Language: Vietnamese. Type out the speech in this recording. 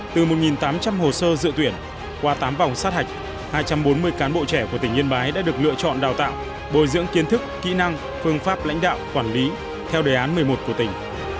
từ một tám trăm linh hồ sơ dự tuyển qua tám vòng sát hạch hai trăm bốn mươi cán bộ trẻ của tỉnh yên bái đã được lựa chọn đào tạo bồi dưỡng kiến thức kỹ năng phương pháp lãnh đạo quản lý theo đề án một mươi một của tỉnh